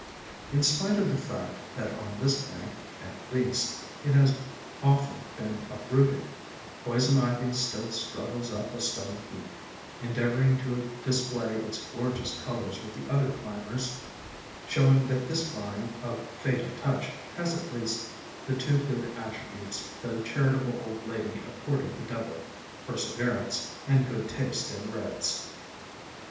In spite of the fact that on this bank, at least, it has often been uprooted, Poison Ivy still strug gles up a stone heap, endeavoring to display its gorgeous colors with the other climbers, showing that this vine of fatal touch has at least the two good attributes that the charitable old lady accorded the devil, — perseverance and good taste in reds.